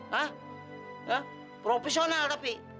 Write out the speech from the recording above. hah ya profesional tapi